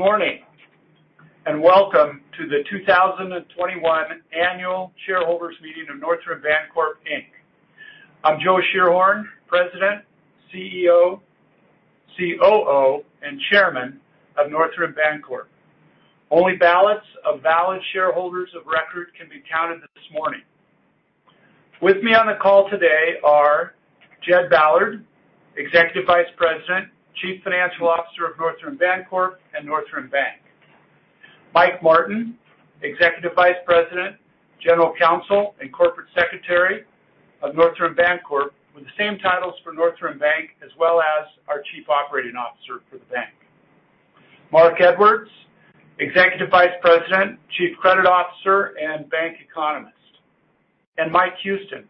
Good morning, and welcome to the 2021 annual shareholders' meeting of Northrim BanCorp, Inc. I'm Joe Schierhorn, President, CEO, COO, and Chairman of Northrim BanCorp. Only ballots of valid shareholders of record can be counted this morning. With me on the call today are Jed Ballard, Executive Vice President, Chief Financial Officer of Northrim BanCorp and Northrim Bank. Mike Martin, Executive Vice President, General Counsel, and Corporate Secretary of Northrim BanCorp, with the same titles for Northrim Bank, as well as our Chief Operating Officer for the bank. Mark Edwards, Executive Vice President, Chief Credit Officer, and Bank Economist. Mike Huston,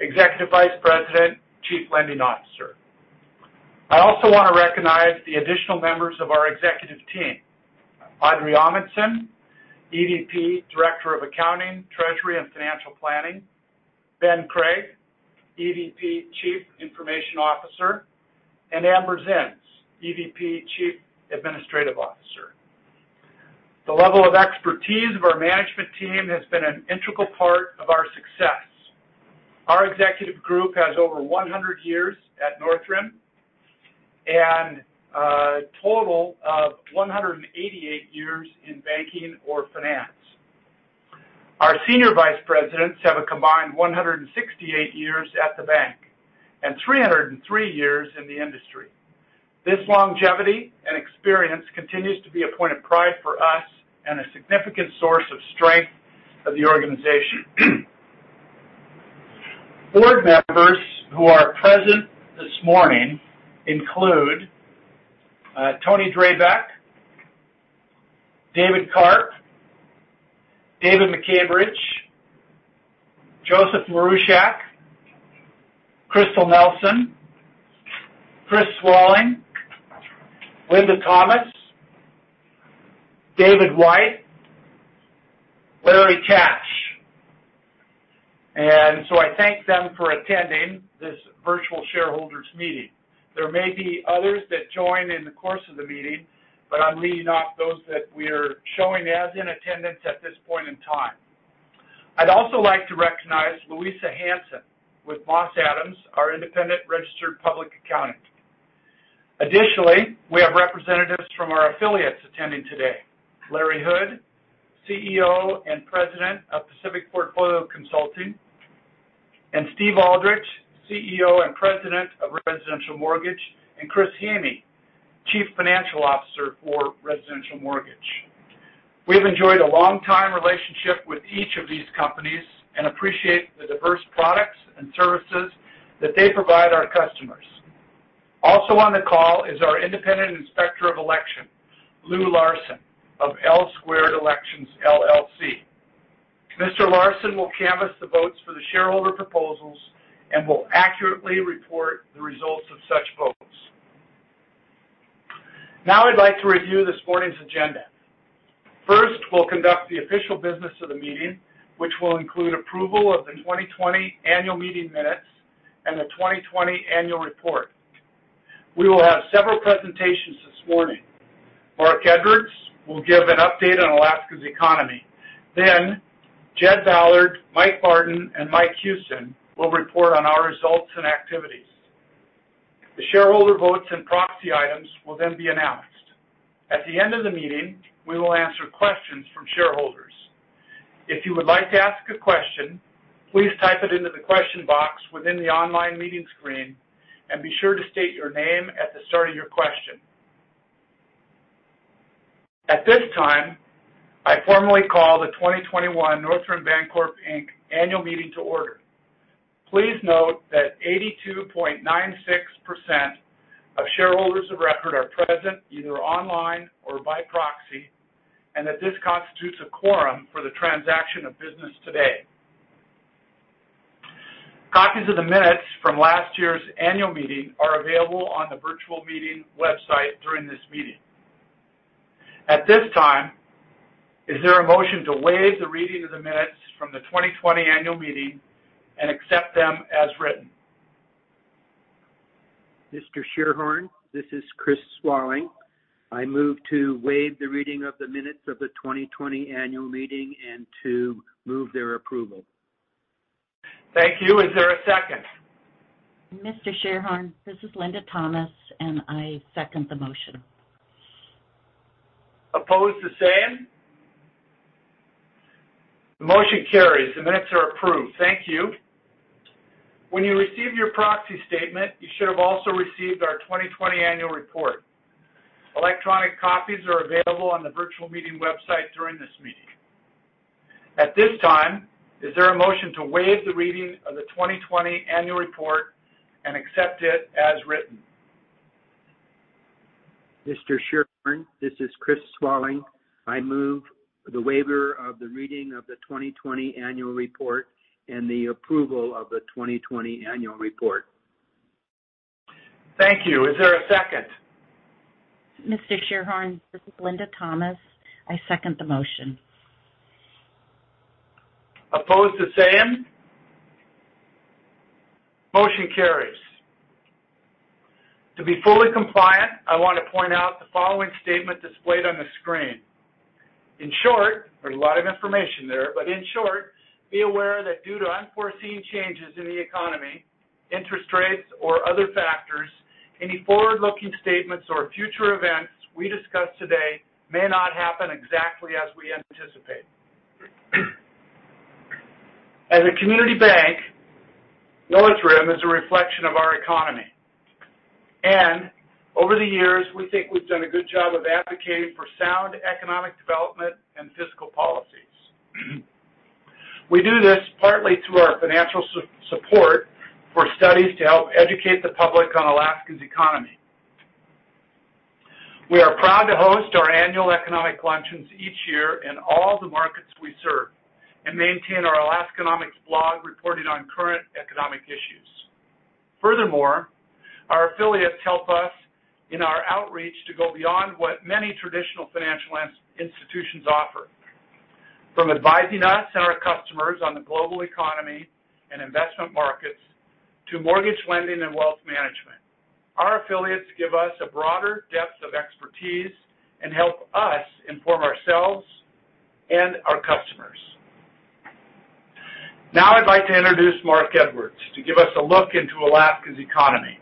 Executive Vice President, Chief Lending Officer. I also want to recognize the additional members of our executive team. Audrey Amundson, EVP, Director of Accounting, Treasury, and Financial Planning. Ben Craig, EVP, Chief Information Officer. Amber Zins, EVP, Chief Administrative Officer. The level of expertise of our management team has been an integral part of our success. Our executive group has over 100 years at Northrim and a total of 188 years in banking or finance. Our senior vice presidents have a combined 168 years at the bank and 303 years in the industry. This longevity and experience continues to be a point of pride for us and a significant source of strength of the organization. Board members who are present this morning include Tony Drabek, David Karp, David McCambridge, Joseph Marushack, Krystal Nelson, Chris Swalling, Linda Thomas, David Wight, Larry Tesh. I thank them for attending this virtual shareholders meeting. There may be others that join in the course of the meeting, but I'm reading off those that we're showing as in attendance at this point in time. I'd also like to recognize Louise Hanson with Moss Adams, our independent registered public accountant. We have representatives from our affiliates attending today. Larry Hood, CEO and President of Pacific Portfolio Consulting, and Steve Aldrich, CEO and President of Residential Mortgage, and Chris Hamey, Chief Financial Officer for Residential Mortgage. We have enjoyed a long-time relationship with each of these companies and appreciate the diverse products and services that they provide our customers. Also on the call is our independent inspector of election, Lou Larsen of L Squared Elections LLC. Mr. Larsen will canvass the votes for the shareholder proposals and will accurately report the results of such votes. I'd like to review this morning's agenda. We'll conduct the official business of the meeting, which will include approval of the 2020 annual meeting minutes and the 2020 annual report. We will have several presentations this morning. Mark Edwards will give an update on Alaska's economy. Jed Ballard, Mike Martin, and Mike Huston will report on our results and activities. The shareholder votes and proxy items will then be announced. At the end of the meeting, we will answer questions from shareholders. If you would like to ask a question, please type it into the question box within the online meeting screen and be sure to state your name at the start of your question. At this time, I formally call the 2021 Northrim BanCorp, Inc. annual meeting to order. Please note that 82.96% of shareholders of record are present, either online or by proxy, and that this constitutes a quorum for the transaction of business today. Copies of the minutes from last year's annual meeting are available on the virtual meeting website during this meeting. At this time, is there a motion to waive the reading of the minutes from the 2020 annual meeting and accept them as written? Mr. Schierhorn, this is Chris Swalling. I move to waive the reading of the minutes of the 2020 annual meeting and to move their approval. Thank you. Is there a second? Mr. Schierhorn, this is Linda Thomas, and I second the motion. Opposed the same? The motion carries. The minutes are approved. Thank you. When you received your proxy statement, you should have also received our 2020 annual report. Electronic copies are available on the virtual meeting website during this meeting. At this time, is there a motion to waive the reading of the 2020 annual report and accept it as written? Mr. Schierhorn, this is Chris Swalling. I move the waiver of the reading of the 2020 annual report and the approval of the 2020 annual report. Thank you. Is there a second? Mr. Schierhorn, this is Linda Thomas. I second the motion. Opposed to same? Motion carries. To be fully compliant, I want to point out the following statement displayed on the screen. In short, there's a lot of information there, but in short, be aware that due to unforeseen changes in the economy, interest rates, or other factors, any forward-looking statements or future events we discuss today may not happen exactly as we anticipate. As a community bank, Northrim Bank is a reflection of our economy, and over the years, we think we've done a good job of advocating for sound economic development and fiscal policies. We do this partly through our financial support for studies to help educate the public on Alaska's economy. We are proud to host our annual economic luncheons each year in all the markets we serve and maintain our Alaskanomics blog reporting on current economic issues. Furthermore, our affiliates help us in our outreach to go beyond what many traditional financial institutions offer. From advising us and our customers on the global economy and investment markets to mortgage lending and wealth management, our affiliates give us a broader depth of expertise and help us inform ourselves and our customers. Now I'd like to introduce Mark Edwards to give us a look into Alaska's economy.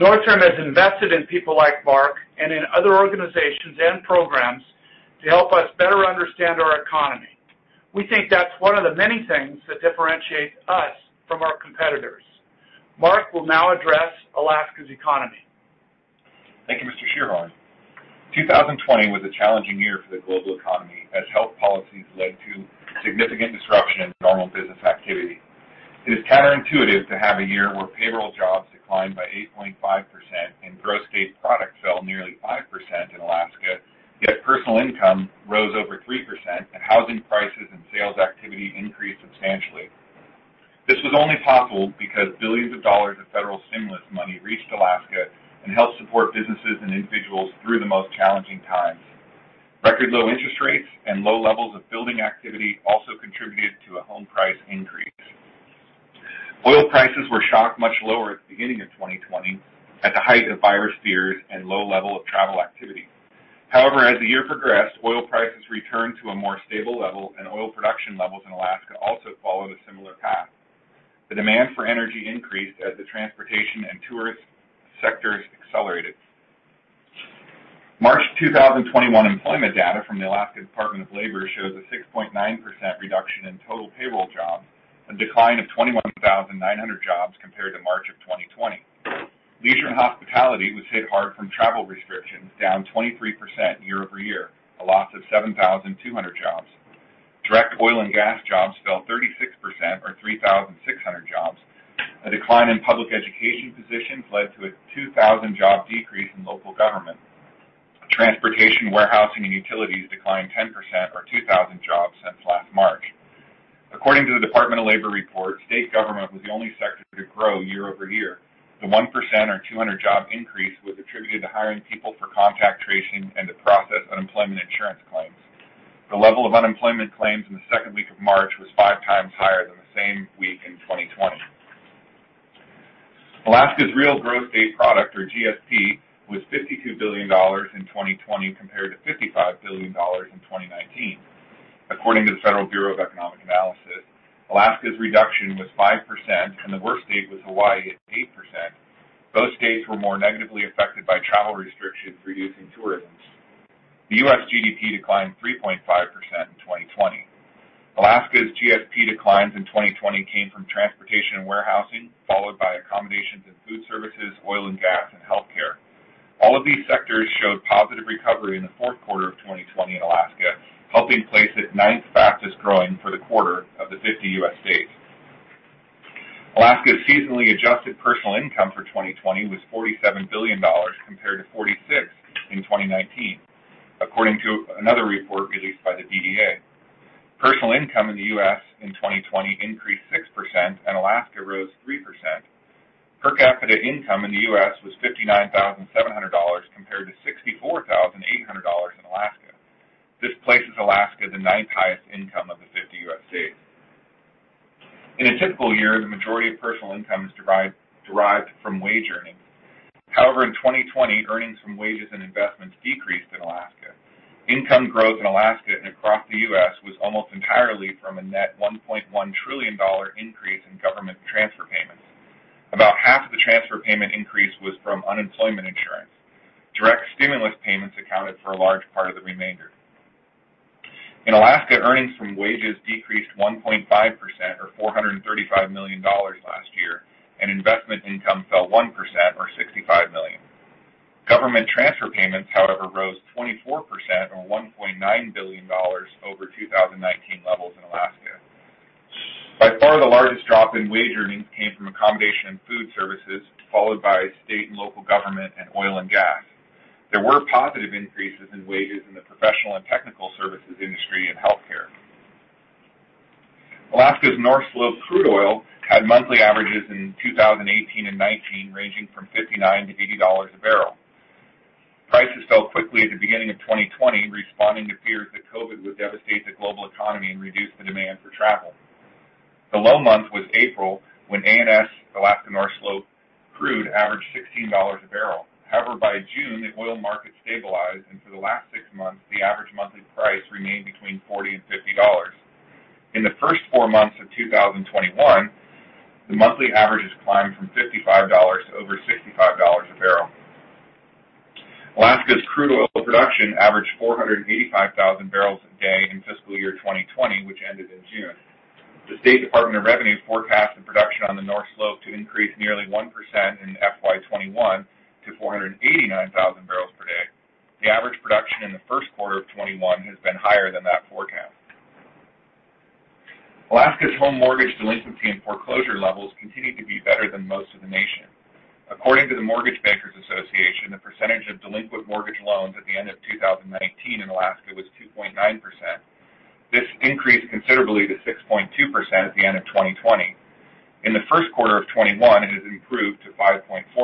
Northrim has invested in people like Mark and in other organizations and programs to help us better understand our economy. We think that's one of the many things that differentiates us from our competitors. Mark will now address Alaska's economy. Thank you, Mr. Schierhorn. 2020 was a challenging year for the global economy as health policies led to significant disruption in normal business activity. It is counterintuitive to have a year where payroll jobs declined by 8.5% and gross state product fell nearly 5% in Alaska, yet personal income rose over 3% and housing prices and sales activity increased substantially. This was only possible because billions of dollars of federal stimulus money reached Alaska and helped support businesses and individuals through the most challenging times. Record low interest rates and low levels of building activity also contributed to a home price increase. Oil prices were shocked much lower at the beginning of 2020 at the height of virus fears and low level of travel activity. As the year progressed, oil prices returned to a more stable level and oil production levels in Alaska also followed a similar path. The demand for energy increased as the transportation and tourist sectors accelerated. March 2021 employment data from the Alaska Department of Labor shows a 6.9% reduction in total payroll jobs, a decline of 21,900 jobs compared to March of 2020. Leisure and hospitality was hit hard from travel restrictions, down 23% year-over-year, a loss of 7,200 jobs. Direct oil and gas jobs fell 36% or 3,600 jobs. A decline in public education positions led to a 2,000 job decrease in local government. Transportation, warehousing, and utilities declined 10%, or 2,000 jobs since last March. According to the Department of Labor report, state government was the only sector to grow year-over-year. The 1%, or 200 job increase was attributed to hiring people for contact tracing and to process unemployment insurance claims. The level of unemployment claims in the second week of March was five times higher than the same week in 2020. Alaska's real gross state product, or GSP, was $52 billion in 2020 compared to $55 billion in 2019. According to the Bureau of Economic Analysis, Alaska's reduction was 5%, and the worst state was Hawaii at 8%. Those states were more negatively affected by travel restrictions reducing tourism. The U.S. GDP declined 3.5% in 2020. Alaska's GSP declines in 2020 came from transportation and warehousing, followed by accommodations and food services, oil and gas, and healthcare. All of these sectors showed positive recovery in the fourth quarter of 2020 in Alaska, helping place it ninth fastest growing for the quarter of the 50 U.S. states. Alaska's seasonally adjusted personal income for 2020 was $47 billion compared to $46 in 2019, according to another report released by the BEA. Personal income in the U.S. in 2020 increased 6%, and Alaska rose 3%. Per capita income in the U.S. was $59,700 compared to $64,800 in Alaska. This places Alaska the ninth highest income of the 50 U.S. states. In a typical year, the majority of personal income is derived from wage earnings. However, in 2020, earnings from wages and investments decreased in Alaska. Income growth in Alaska and across the U.S. was almost entirely from a net $1.1 trillion increase in government transfer payments. About half the transfer payment increase was from unemployment insurance. Direct stimulus payments accounted for a large part of the remainder. In Alaska, earnings from wages decreased 1.5%, or $435 million last year, and investment income fell 1%, or $65 million. Government transfer payments, however, rose 24%, or $1.9 billion over 2019 levels in Alaska. By far, the largest drop in wage earnings came from accommodation and food services, followed by state and local government and oil and gas. There were positive increases in wages in the professional and technical services industry and healthcare. Alaska's North Slope crude oil had monthly averages in 2018 and 2019 ranging from $59 to $80 a bbl. 2020, responding to fears that COVID would devastate the global economy and reduce the demand for travel. The low month was April, when ANS, Alaska North Slope crude averaged $16 a bbl. However, by June, the oil market stabilized, and for the last six months, the average monthly price remained between $40 and $50. In the first four months of 2021, the monthly average has climbed from $55 to over $65 a bbl. Alaska's crude oil production averaged 485,000 bpd in fiscal year 2020, which ended in June. The State Department of Revenue forecasts the production on the North Slope to increase nearly 1% in FY2021 to 489,000 bpd. The average production in the first quarter of 2021 has been higher than that forecast. Alaska's home mortgage delinquency and foreclosure levels continue to be better than most of the nation. According to the Mortgage Bankers Association, the percentage of delinquent mortgage loans at the end of 2019 in Alaska was 2.9%. This increased considerably to 6.2% at the end of 2020. In the first quarter of 2021, it has improved to 5.4%.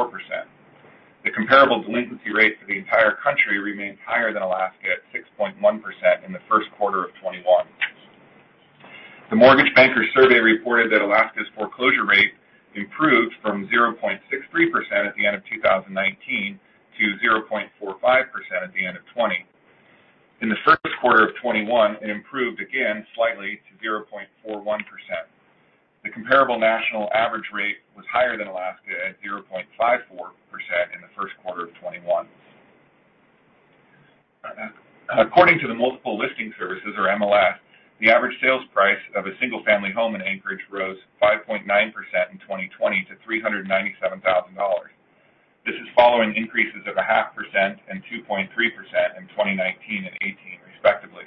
The comparable delinquency rate for the entire country remains higher than Alaska at 6.1% in the first quarter of 2021. The Mortgage Bankers survey reported that Alaska's foreclosure rate improved from 0.63% at the end of 2019 to 0.45% at the end of 2020. In the first quarter of 2021, it improved again slightly to 0.41%. The comparable national average rate was higher than Alaska at 0.54% in the first quarter of 2021. According to the Multiple Listing Service or MLS, the average sales price of a single-family home in Anchorage rose 5.9% in 2020 to $397,000. This is following increases of 0.5% and 2.3% in 2019 and 2018, respectively.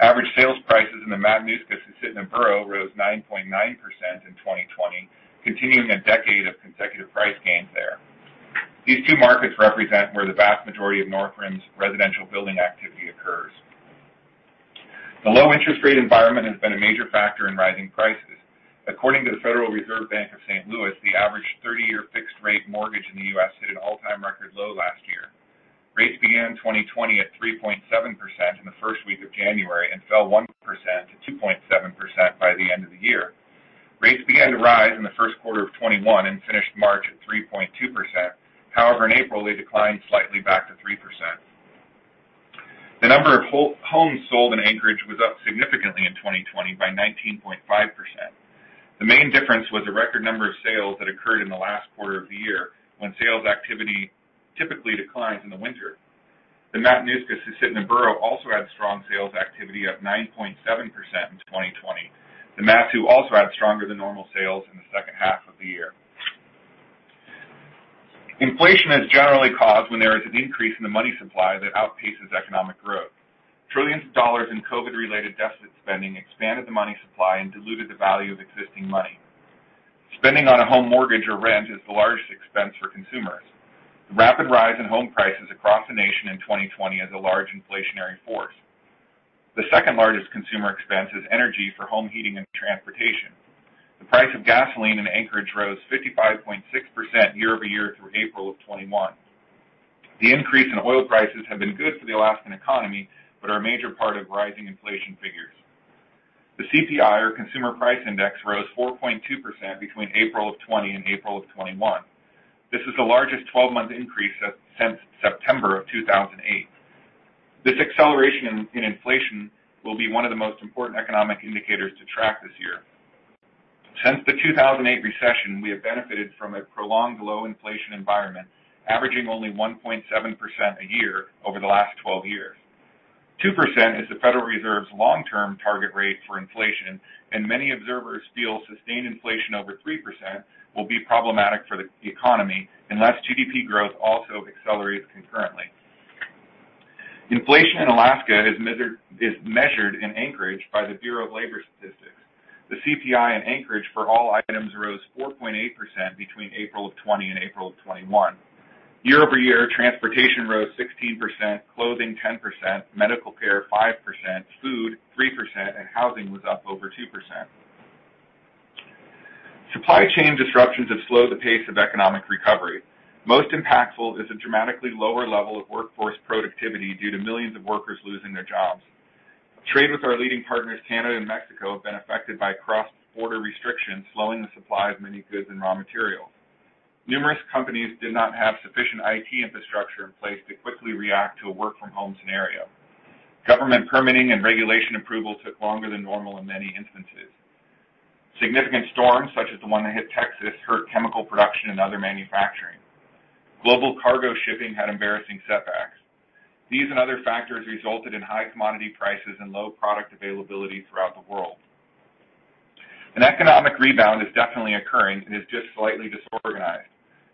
Average sales prices in the Matanuska-Susitna Borough rose 9.9% in 2020, continuing a decade of consecutive price gains there. These two markets represent where the vast majority of Northrim's residential building activity occurs. The low interest rate environment has been a major factor in rising prices. According to the Federal Reserve Bank of St. Louis, the average 30-year fixed rate mortgage in the U.S. hit an all-time record low last year. Rates began 2020 at 3.7% in the first week of January and fell 1% to 2.7% by the end of the year. Rates began to rise in the first quarter of 2021 and finished March at 3.2%. However, in April, they declined slightly back to 3%. The number of homes sold in Anchorage was up significantly in 2020 by 19.5%. The main difference was the record number of sales that occurred in the last quarter of the year, when sales activity typically declines in the winter. The Matanuska-Susitna Borough also had strong sales activity, up 9.7% in 2020. The Mat-Su also had stronger than normal sales in the second half of the year. Inflation is generally caused when there is an increase in the money supply that outpaces economic growth. Trillions of dollars in COVID-related deficit spending expanded the money supply and diluted the value of existing money. Spending on a home mortgage or rent is the largest expense for consumers. The rapid rise in home prices across the nation in 2020 is a large inflationary force. The second-largest consumer expense is energy for home heating and transportation. The price of gasoline in Anchorage rose 55.6% year-over-year through April of 2021. The increase in oil prices have been good for the Alaskan economy, but are a major part of rising inflation figures. The CPI, or Consumer Price Index, rose 4.2% between April of 2020 and April of 2021. This is the largest 12-month increase since September of 2008. This acceleration in inflation will be one of the most important economic indicators to track this year. Since the 2008 recession, we have benefited from a prolonged low inflation environment, averaging only 1.7% a year over the last 12 years. 2% is the Federal Reserve's long-term target rate for inflation. Many observers feel sustained inflation over 3% will be problematic for the economy unless GDP growth also accelerates concurrently. Inflation in Alaska is measured in Anchorage by the Bureau of Labor Statistics. The CPI in Anchorage for all items rose 4.8% between April of 2020 and April of 2021. Year-over-year, transportation rose 16%, clothing 10%, medical care 5%, food 3%. Housing was up over 2%. Supply chain disruptions have slowed the pace of economic recovery. Most impactful is a dramatically lower level of workforce productivity due to millions of workers losing their jobs. Trade with our leading partners, Canada and Mexico, have been affected by cross-border restrictions, slowing the supply of many goods and raw materials. Numerous companies did not have sufficient IT infrastructure in place to quickly react to a work-from-home scenario. Government permitting and regulation approval took longer than normal in many instances. Significant storms, such as the one that hit Texas, hurt chemical production and other manufacturing. Global cargo shipping had embarrassing setbacks. These and other factors resulted in high commodity prices and low product availability throughout the world. An economic rebound is definitely occurring and is just slightly disorganized.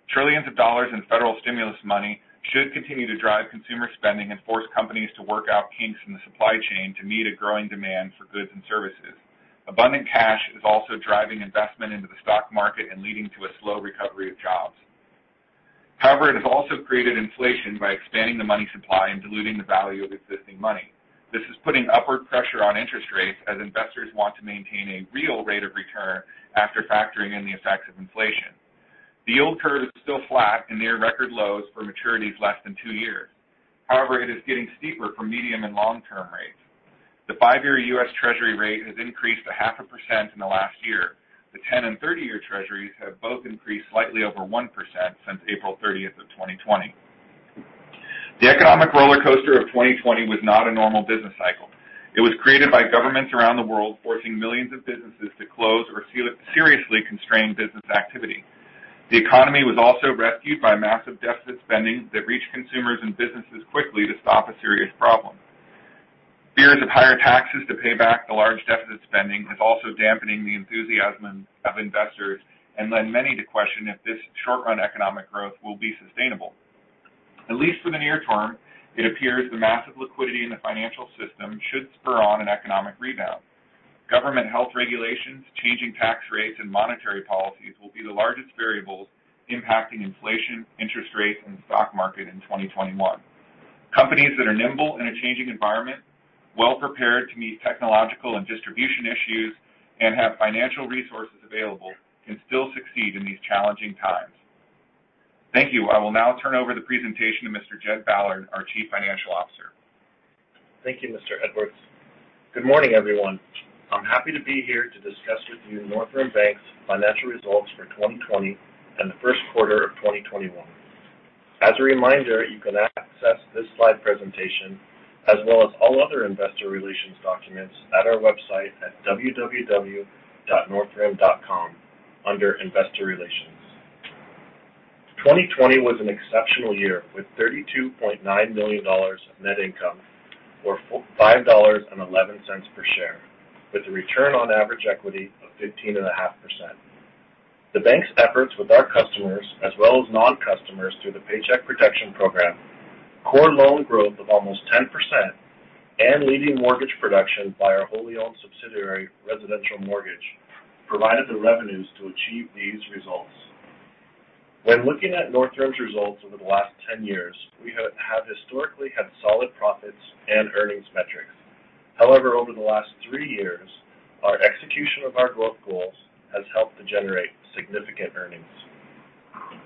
Trillions of dollars in federal stimulus money should continue to drive consumer spending and force companies to work out kinks in the supply chain to meet a growing demand for goods and services. Abundant cash is also driving investment into the stock market and leading to a slow recovery of jobs. However, it has also created inflation by expanding the money supply and diluting the value of existing money. This is putting upward pressure on interest rates as investors want to maintain a real rate of return after factoring in the effects of inflation. The yield curve is still flat and near record lows for maturities less than two years. However, it is getting steeper for medium and long-term rates. The five-year U.S. Treasury rate has increased a half a percent in the last year. The 10 and 30-year Treasuries have both increased slightly over 1% since April 30th of 2020. The economic rollercoaster of 2020 was not a normal business cycle. It was created by governments around the world forcing millions of businesses to close or seriously constrain business activity. The economy was also rescued by massive deficit spending that reached consumers and businesses quickly to stop a serious problem. Fears of higher taxes to pay back the large deficit spending is also dampening the enthusiasm of investors and led many to question if this short-run economic growth will be sustainable. At least for the near-term, it appears the massive liquidity in the financial system should spur on an economic rebound. Government health regulations, changing tax rates, and monetary policies will be the largest variables impacting inflation, interest rates, and the stock market in 2021. Companies that are nimble in a changing environment, well-prepared to meet technological and distribution issues, and have financial resources available can still succeed in these challenging times. Thank you. I will now turn over the presentation to Mr. Jed Ballard, our Chief Financial Officer. Thank you, Mr. Edwards. Good morning, everyone. I'm happy to be here to discuss with you Northrim Bank's financial results for 2020 and the first quarter of 2021. As a reminder, you can access this slide presentation, as well as all other Investor Relations documents, at our website at www.northrim.com under Investor Relations. 2020 was an exceptional year, with $32.9 million of net income, or $5.11 per share, with a return on average equity of 15.5%. The bank's efforts with our customers, as well as non-customers, through the Paycheck Protection Program, core loan growth of almost 10%, and leading mortgage production by our wholly owned subsidiary, Residential Mortgage, provided the revenues to achieve these results. When looking at Northrim's results over the last 10 years, we have historically had solid profits and earnings metrics. However, over the last three years, our execution of our growth goals has helped to generate significant earnings.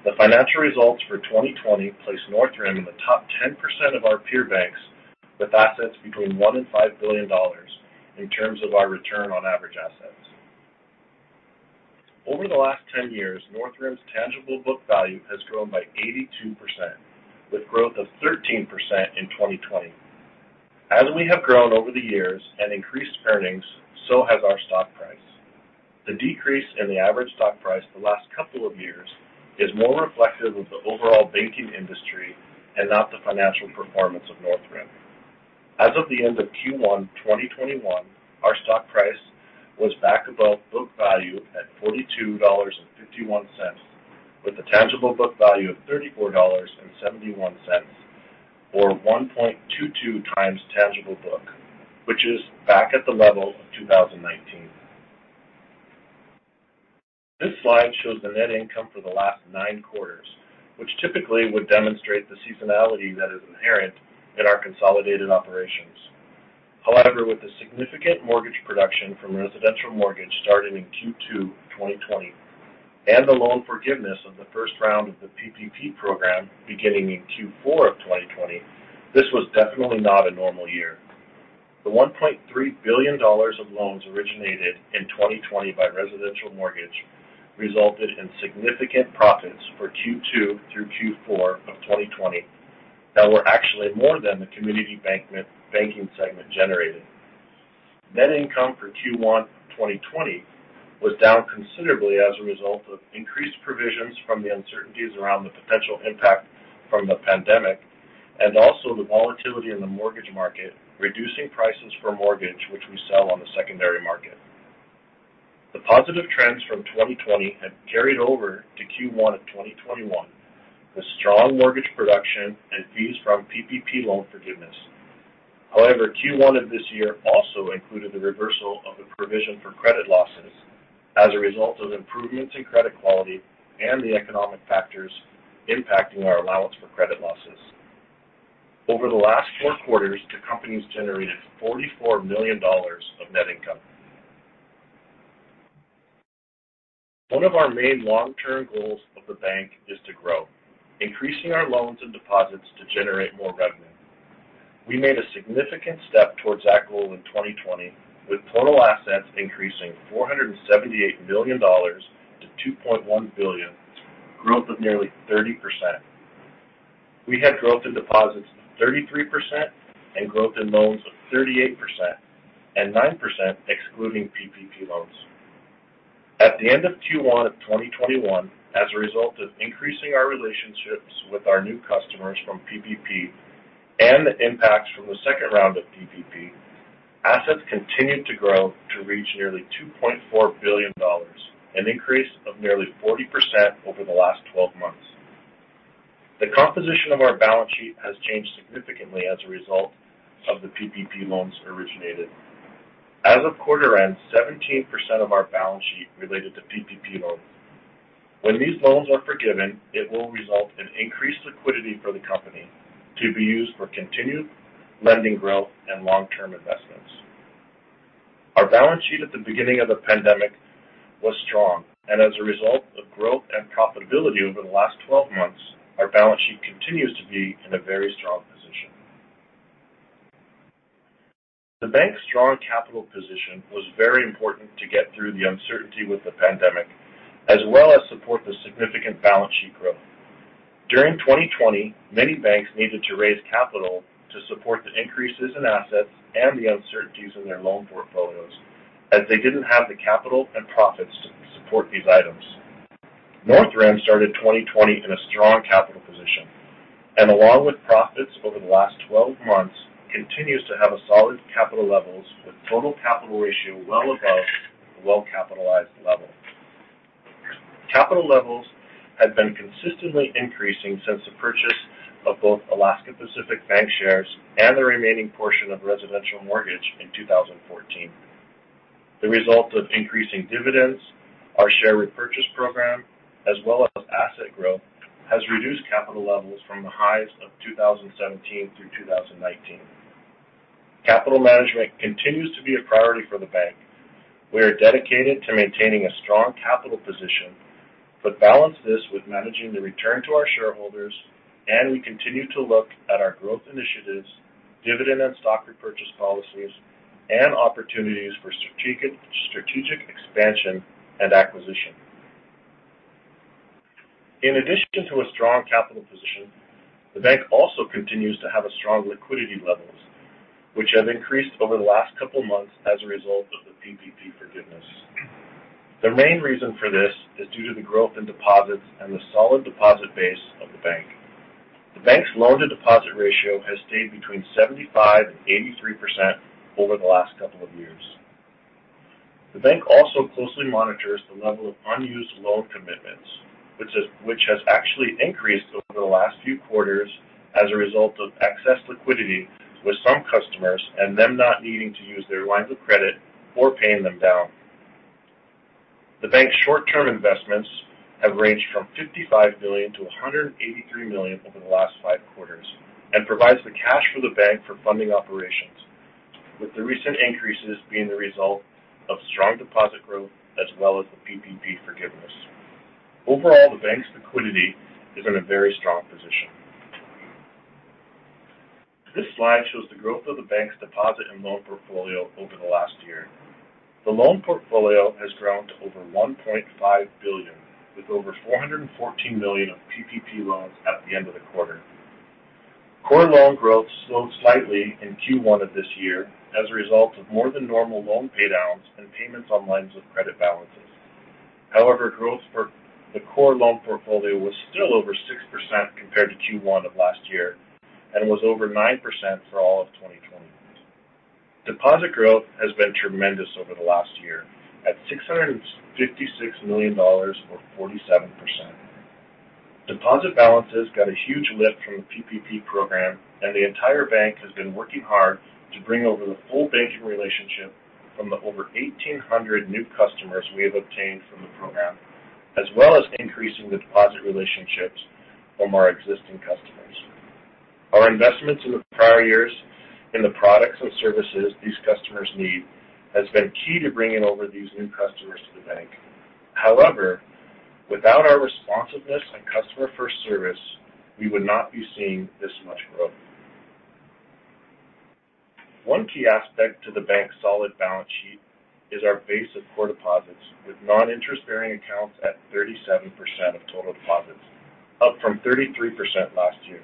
The financial results for 2020 place Northrim in the top 10% of our peer banks with assets between $1 billion and $5 billion in terms of our return on average assets. Over the last 10 years, Northrim's tangible book value has grown by 82%, with growth of 13% in 2020. As we have grown over the years and increased earnings, so has our stock price. The decrease in the average stock price the last couple of years is more reflective of the overall banking industry and not the financial performance of Northrim. As of the end of Q1 2021, our stock price was back above book value at $42.51, with a tangible book value of $34.71, or 1.22x tangible book, which is back at the level of 2019. This slide shows the net income for the last nine quarters, which typically would demonstrate the seasonality that is inherent in our consolidated operations. However, with the significant mortgage production from Residential Mortgage starting in Q2 2020 and the loan forgiveness of the first round of the PPP program beginning in Q4 of 2020, this was definitely not a normal year. The $1.3 billion of loans originated in 2020 by Residential Mortgage resulted in significant profits for Q2 through Q4 of 2020 that were actually more than the community banking segment generated. Net income for Q1 2020 was down considerably as a result of increased provisions from the uncertainties around the potential impact from the pandemic and also the volatility in the mortgage market, reducing prices for mortgage, which we sell on the secondary market. The positive trends from 2020 have carried over to Q1 of 2021 with strong mortgage production and fees from PPP loan forgiveness. Q1 of this year also included the reversal of the provision for credit losses as a result of improvements in credit quality and the economic factors impacting our allowance for credit losses. Over the last four quarters, the company's generated $44 million of net income. One of our main long-term goals of the bank is to grow, increasing our loans and deposits to generate more revenue. We made a significant step towards that goal in 2020, with total assets increasing $478 million to $2.1 billion, growth of nearly 30%. We had growth in deposits of 33% and growth in loans of 38%, and 9% excluding PPP loans. At the end of Q1 of 2021, as a result of increasing our relationships with our new customers from PPP and the impacts from the second round of PPP, assets continued to grow to reach nearly $2.4 billion, an increase of nearly 40% over the last 12 months. The composition of our balance sheet has changed significantly as a result of the PPP loans originated. As of quarter end, 17% of our balance sheet related to PPP loans. When these loans are forgiven, it will result in increased liquidity for the company to be used for continued lending growth and long-term investments. Our balance sheet at the beginning of the pandemic was strong, and as a result of growth and profitability over the last 12 months, our balance sheet continues to be in a very strong position. The bank's strong capital position was very important to get through the uncertainty with the pandemic, as well as support the significant balance sheet growth. During 2020, many banks needed to raise capital to support the increases in assets and the uncertainties in their loan portfolios, as they didn't have the capital and profits to support these items. Northrim started 2020 in a strong capital position, and along with profits over the last 12 months, continues to have solid capital levels with total capital ratio well above the well-capitalized level. Capital levels have been consistently increasing since the purchase of both Alaska Pacific Bancshares and the remaining portion of Residential Mortgage in 2014. The result of increasing dividends, our share repurchase program, as well as asset growth, has reduced capital levels from the highs of 2017 through 2019. Capital management continues to be a priority for the bank. We are dedicated to maintaining a strong capital position, but balance this with managing the return to our shareholders, and we continue to look at our growth initiatives, dividend and stock repurchase policies, and opportunities for strategic expansion and acquisition. In addition to a strong capital position, the bank also continues to have strong liquidity levels, which have increased over the last couple of months as a result of the PPP forgiveness. The main reason for this is due to the growth in deposits and the solid deposit base of the bank. The bank's loan-to-deposit ratio has stayed between 75% and 83% over the last couple of years. The bank also closely monitors the level of unused loan commitments, which has actually increased over the last few quarters as a result of excess liquidity with some customers and them not needing to use their lines of credit or paying them down. The bank's short-term investments have ranged from $55 million to $183 million over the last five quarters and provides the cash for the bank for funding operations, with the recent increases being the result of strong deposit growth as well as the PPP forgiveness. Overall, the bank's liquidity is in a very strong position. This slide shows the growth of the bank's deposit and loan portfolio over the last year. The loan portfolio has grown to over $1.5 billion, with over $414 million of PPP loans at the end of the quarter. Core loan growth slowed slightly in Q1 of this year as a result of more than normal loan paydowns and payments on lines of credit balances. Growth for the core loan portfolio was still over 6% compared to Q1 of last year and was over 9% for all of 2020. Deposit growth has been tremendous over the last year at $656 million or 47%. Deposit balances got a huge lift from the PPP program, the entire bank has been working hard to bring over the full banking relationship from the over 1,800 new customers we have obtained from the program, as well as increasing the deposit relationships from our existing customers. Our investments in the prior years in the products and services these customers need has been key to bringing over these new customers to the bank. However, without our responsiveness and customer-first service, we would not be seeing this much growth. One key aspect to the bank's solid balance sheet is our base of core deposits with non-interest-bearing accounts at 37% of total deposits, up from 33% last year.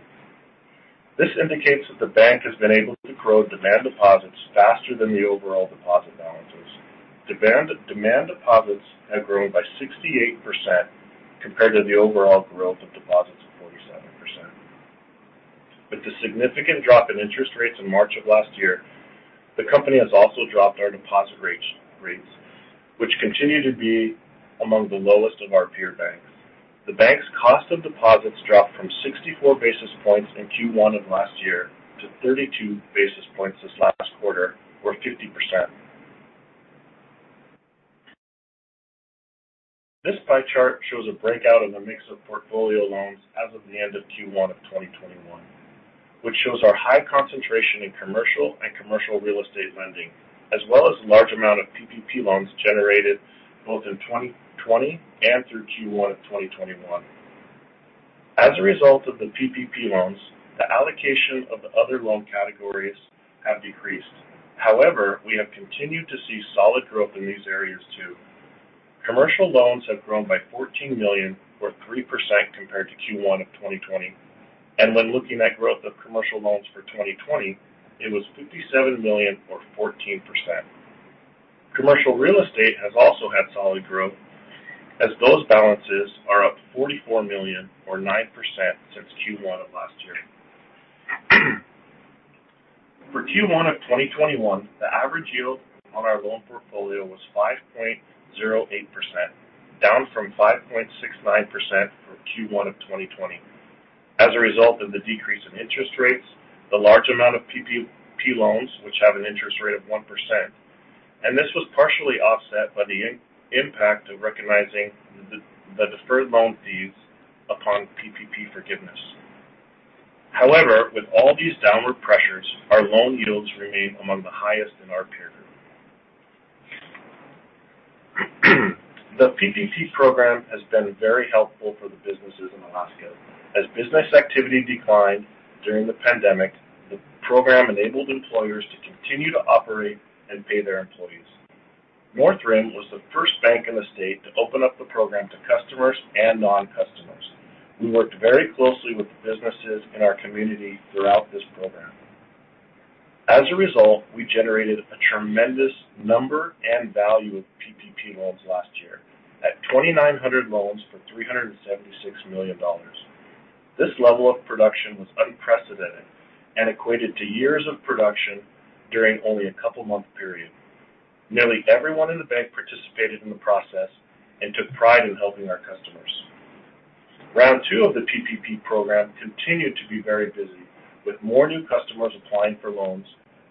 This indicates that the bank has been able to grow demand deposits faster than the overall deposit balances. Demand deposits have grown by 68% compared to the overall growth of deposits of 47%. With the significant drop in interest rates in March of last year, the company has also dropped our deposit rates, which continue to be among the lowest of our peer banks. The bank's cost of deposits dropped from 64 basis points in Q1 of last year to 32 basis points this last quarter, or 50%. This pie chart shows a breakout of the mix of portfolio loans as of the end of Q1 of 2021, which shows our high concentration in commercial and commercial real estate lending, as well as a large amount of PPP loans generated both in 2020 and through Q1 of 2021. As a result of the PPP loans, the allocation of the other loan categories have decreased. We have continued to see solid growth in these areas, too. Commercial loans have grown by $14 million or 3% compared to Q1 of 2020. When looking at growth of commercial loans for 2020, it was $57 million or 14%. Commercial real estate has also had solid growth, as those balances are up $44 million or 9% since Q1 of last year. For Q1 of 2021, the average yield on our loan portfolio was 5.08%, down from 5.69% for Q1 of 2020. As a result of the decrease in interest rates, the large amount of PPP loans, which have an interest rate of 1%. With all these downward pressures, our loan yields remain among the highest in our peer group. The PPP program has been very helpful for the businesses in Alaska. As business activity declined during the pandemic, the program enabled employers to continue to operate and pay their employees. Northrim was the first bank in the state to open up the program to customers and non-customers. We worked very closely with the businesses in our community throughout this program. As a result, we generated a tremendous number and value of PPP loans last year at 2,900 loans for $376 million. This level of production was unprecedented and equated to years of production during only a couple month period. Nearly everyone in the bank participated in the process and took pride in helping our customers. Round two of the PPP program continued to be very busy, with more new customers applying for loans,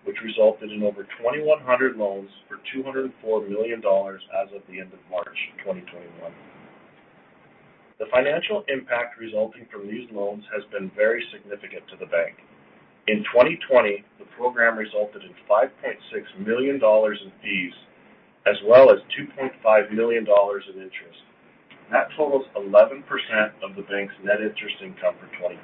which resulted in over 2,100 loans for $204 million as of the end of March of 2021. The financial impact resulting from these loans has been very significant to the bank. In 2020, the program resulted in $5.6 million in fees, as well as $2.5 million in interest. That totals 11% of the bank's net interest income for 2020.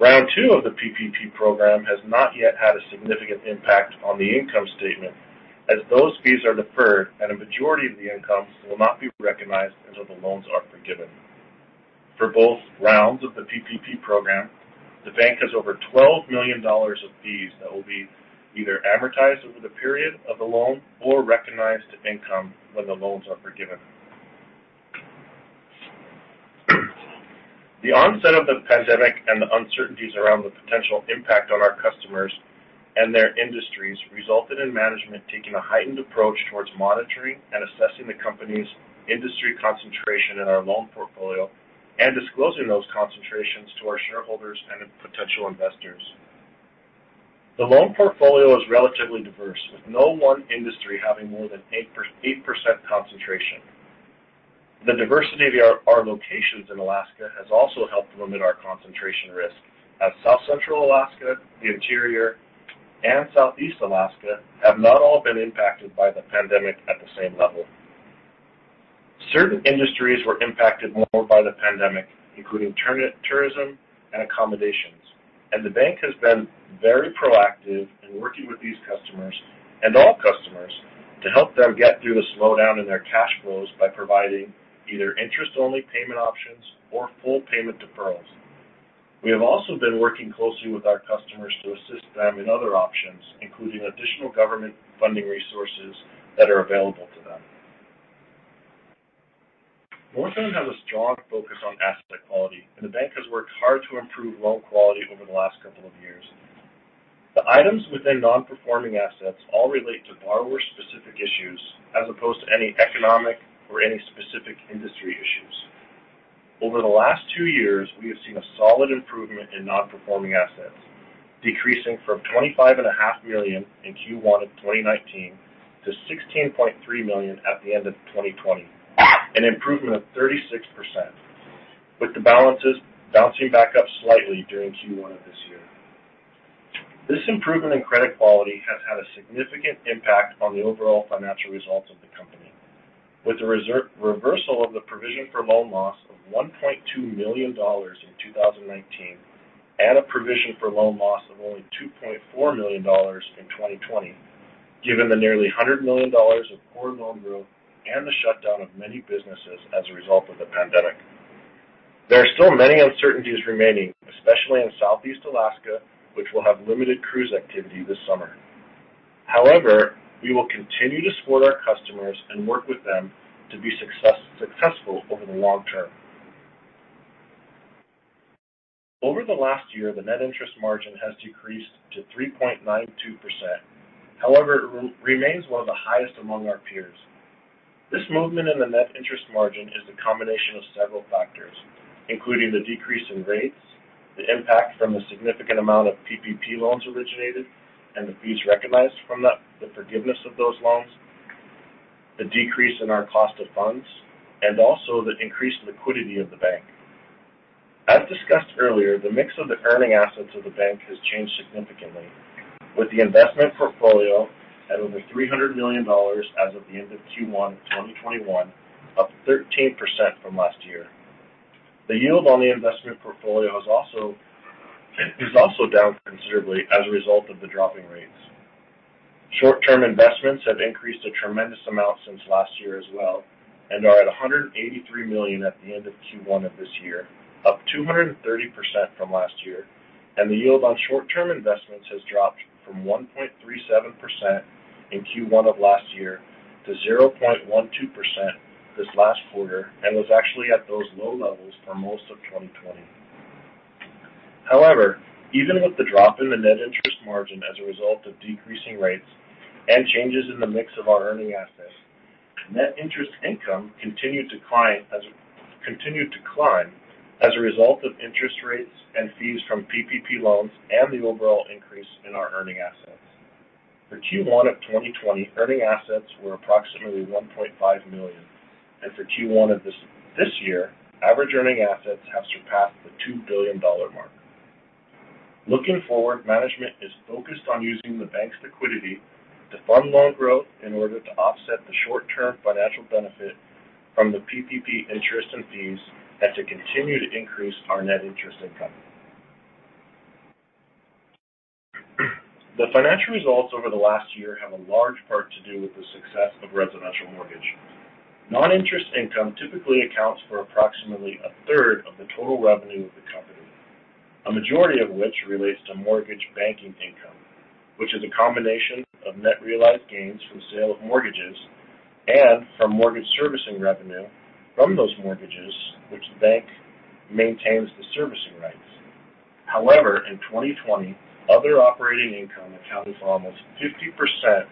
Round two of the PPP program has not yet had a significant impact on the income statement, as those fees are deferred and a majority of the income will not be recognized until the loans are forgiven. For both rounds of the PPP program, the bank has over $12 million of fees that will be either amortized over the period of the loan or recognized income when the loans are forgiven. The onset of the pandemic and the uncertainties around the potential impact on our customers and their industries resulted in management taking a heightened approach towards monitoring and assessing the company's industry concentration in our loan portfolio and disclosing those concentrations to our shareholders and potential investors. The loan portfolio is relatively diverse, with no one industry having more than 8% concentration. The diversity of our locations in Alaska has also helped limit our concentration risk, as South Central Alaska, the Interior, and Southeast Alaska have not all been impacted by the pandemic at the same level. Certain industries were impacted more by the pandemic, including tourism and accommodations, and the bank has been very proactive in working with these customers and all customers to help them get through the slowdown in their cash flows by providing either interest-only payment options or full payment deferrals. We have also been working closely with our customers to assist them in other options, including additional government funding resources that are available to them. Northrim has a strong focus on asset quality, and the bank has worked hard to improve loan quality over the last couple of years. The items within non-performing assets all relate to borrower-specific issues as opposed to any economic or any specific industry issues. Over the last two years, we have seen a solid improvement in non-performing assets, decreasing from $25.5 million in Q1 of 2019 to $16.3 million at the end of 2020, an improvement of 36%, with the balances bouncing back up slightly during Q1 of this year. This improvement in credit quality has had a significant impact on the overall financial results of the company. With the reversal of the provision for loan loss of $1.2 million in 2019 and a provision for loan loss of only $2.4 million in 2020, given the nearly $100 million of core loan growth and the shutdown of many businesses as a result of the pandemic. There are still many uncertainties remaining, especially in Southeast Alaska, which will have limited cruise activity this summer. However, we will continue to support our customers and work with them to be successful over the long-term. Over the last year, the net interest margin has decreased to 3.92%. However, it remains one of the highest among our peers. This movement in the net interest margin is a combination of several factors, including the decrease in rates, the impact from the significant amount of PPP loans originated and the fees recognized from the forgiveness of those loans, the decrease in our cost of funds, and also the increased liquidity of the bank. As discussed earlier, the mix of the earning assets of the bank has changed significantly with the investment portfolio at over $300 million as of the end of Q1 2021, up 13% from last year. The yield on the investment portfolio is also down considerably as a result of the dropping rates. Short-term investments have increased a tremendous amount since last year as well, and are at $183 million at the end of Q1 of this year, up 230% from last year. The yield on short-term investments has dropped from 1.37% in Q1 of last year to 0.12% this last quarter, and was actually at those low levels for most of 2020. However, even with the drop in the net interest margin as a result of decreasing rates and changes in the mix of our earning assets, net interest income continued to climb as a result of interest rates and fees from PPP loans and the overall increase in our earning assets. Q1 of 2020, earning assets were approximately $1.5 million, and for Q1 of this year, average earning assets have surpassed the $2 billion mark. Looking forward, management is focused on using the bank's liquidity to fund loan growth in order to offset the short-term financial benefit from the PPP interest and fees, and to continue to increase our net interest income. The financial results over the last year have a large part to do with the success of Residential Mortgage. Non-interest income typically accounts for approximately a third of the total revenue of the company, a majority of which relates to mortgage banking income, which is a combination of net realized gains from the sale of mortgages and from mortgage servicing revenue from those mortgages which the bank maintains the servicing rights. However, in 2020, other operating income accounted for almost 50%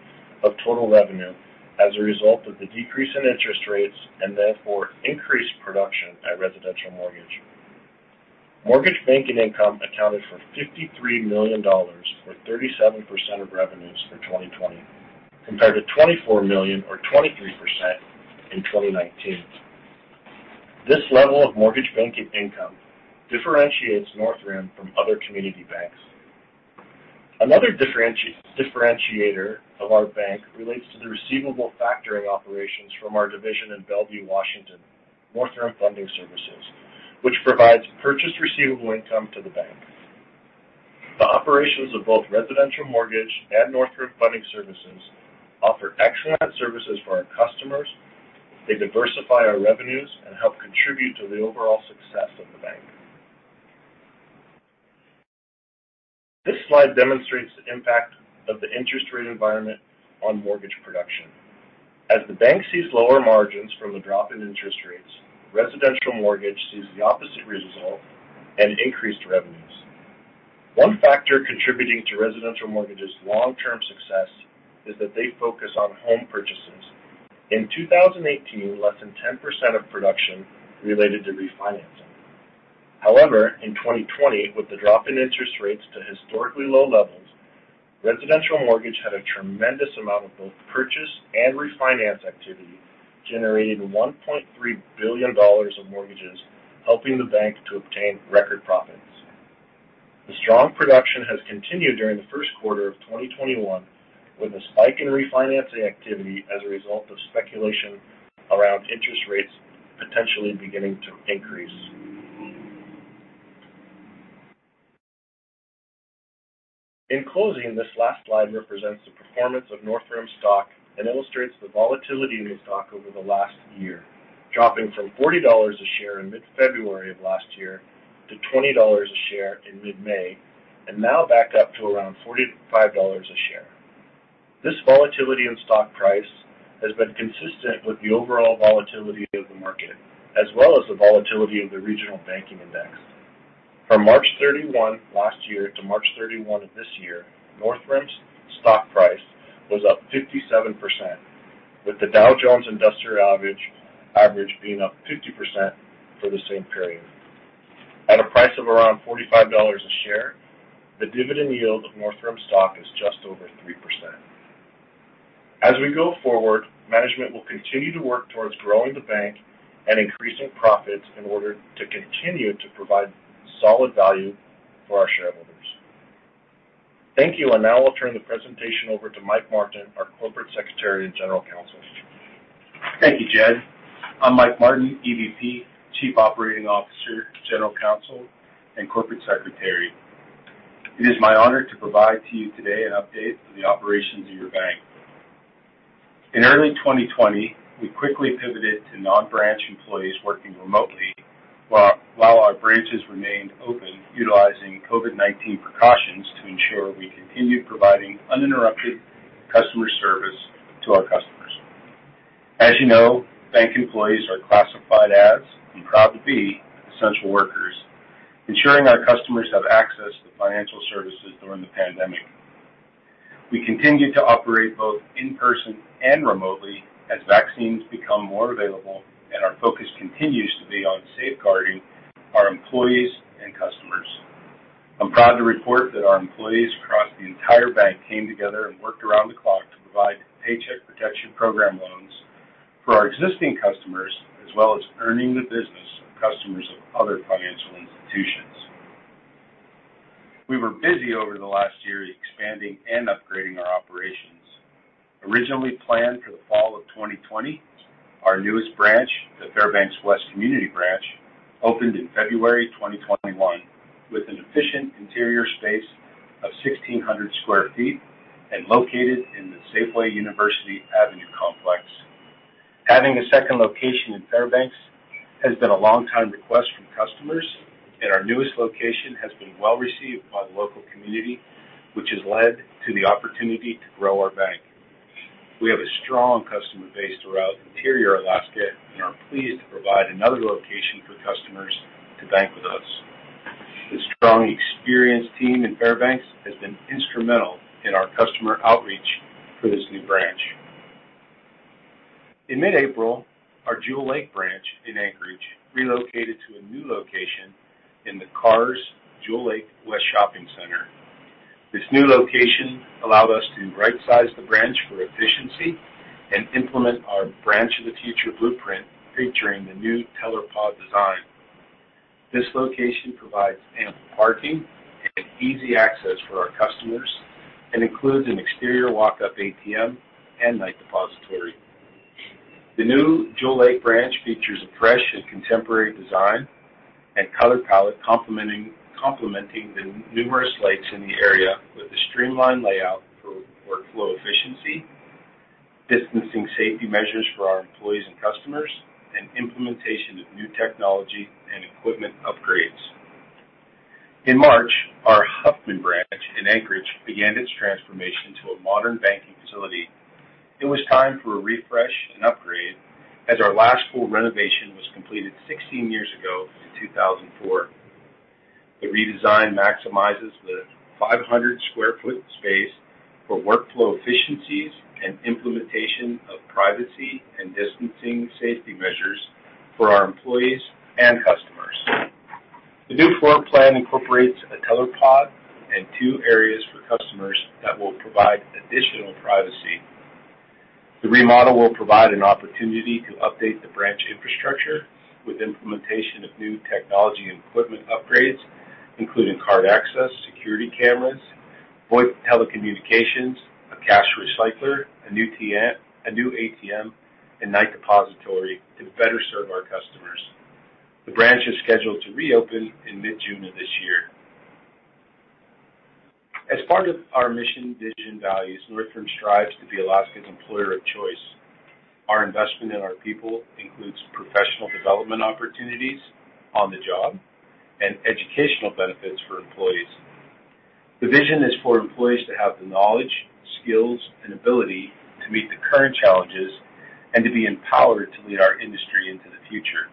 of total revenue as a result of the decrease in interest rates and therefore increased production at Residential Mortgage. Mortgage banking income accounted for $53 million, or 37% of revenues for 2020, compared to $24 million or 23% in 2019. This level of mortgage banking income differentiates Northrim from other community banks. Another differentiator of our bank relates to the receivable factoring operations from our division in Bellevue, Washington, Northrim Funding Services, which provides purchase receivable income to the bank. The operations of both Residential Mortgage and Northrim Funding Services offer excellent services for our customers. They diversify our revenues and help contribute to the overall success of the bank. This slide demonstrates the impact of the interest rate environment on mortgage production. As the bank sees lower margins from the drop in interest rates, Residential Mortgage sees the opposite result and increased revenues. One factor contributing to Residential Mortgage's long-term success is that they focus on home purchases. In 2018, less than 10% of production related to refinancing. However, in 2020, with the drop in interest rates to historically low levels, Residential Mortgage had a tremendous amount of both purchase and refinance activity, generating $1.3 billion of mortgages, helping the bank to obtain record profits. The strong production has continued during the first quarter of 2021, with a spike in refinancing activity as a result of speculation around interest rates potentially beginning to increase. In closing, this last slide represents the performance of Northrim stock and illustrates the volatility in the stock over the last year, dropping from $40 a share in mid-February of last year to $20 a share in mid-May, and now back up to around $45 a share. This volatility in stock price has been consistent with the overall volatility of the market, as well as the volatility of the regional banking index. From March 31 last year to March 31 of this year, Northrim's stock price was up 57%, with the Dow Jones Industrial Average being up 50% for the same period. At a price of around $45 a share, the dividend yield of Northrim stock is just over 3%. As we go forward, management will continue to work towards growing the bank and increasing profits in order to continue to provide solid value for our shareholders. Thank you. Now I'll turn the presentation over to Mike Martin, our Corporate Secretary and General Counsel. Thank you, Jed. I'm Michael Martin, EVP, Chief Operating Officer, General Counsel, and Corporate Secretary. It is my honor to provide to you today an update for the operations of your bank. In early 2020, we quickly pivoted to non-branch employees working remotely while our branches remained open, utilizing COVID-19 precautions to ensure we continued providing uninterrupted customer service to our customers. As you know, bank employees are classified as, and proud to be, essential workers, ensuring our customers have access to financial services during the pandemic. We continue to operate both in person and remotely as vaccines become more available, and our focus continues to be on safeguarding our employees and customers. I'm proud to report that our employees across the entire bank came together and worked around the clock to provide Paycheck Protection Program loans for our existing customers, as well as earning the business of customers of other financial institutions. We were busy over the last year expanding and upgrading our operations. Originally planned for the fall of 2020, our newest branch, the Fairbanks West Community Branch, opened in February 2021 with an efficient interior space of 1,600 sq ft and located in the Safeway University Avenue complex. Having a second location in Fairbanks has been a long time request from customers, and our newest location has been well received by the local community, which has led to the opportunity to grow our bank. We have a strong customer base throughout Interior Alaska and are pleased to provide another location for customers to bank with us. The strong, experienced team in Fairbanks has been instrumental in our customer outreach for this new branch. In mid-April, our Jewel Lake branch in Anchorage relocated to a new location in the Carrs Jewel Lake West Shopping Center. This new location allowed us to right-size the branch for efficiency and implement our branch of the future blueprint featuring the new teller pod design. This location provides ample parking and easy access for our customers and includes an exterior walk-up ATM and night depository. The new Jewel Lake branch features a fresh and contemporary design and color palette complementing the numerous lakes in the area with a streamlined layout for workflow efficiency, distancing safety measures for our employees and customers, and implementation of new technology and equipment upgrades. In March, our Huffman branch in Anchorage began its transformation to a modern banking facility. It was time for a refresh and upgrade as our last full renovation was completed 16 years ago in 2004. The redesign maximizes the 500 sq ft space for workflow efficiencies and implementation of privacy and distancing safety measures for our employees and customers. The new floor plan incorporates a teller pod and two areas for customers that will provide additional privacy. The remodel will provide an opportunity to update the branch infrastructure with implementation of new technology and equipment upgrades, including card access, security cameras, VoIP telecommunications, a cash recycler, a new ATM, and night depository to better serve our customers. The branch is scheduled to reopen in mid-June of this year. As part of our mission, vision, values, Northrim strives to be Alaska's employer of choice. Our investment in our people includes professional development opportunities on the job and educational benefits for employees. The vision is for employees to have the knowledge, skills, and ability to meet the current challenges and to be empowered to lead our industry into the future.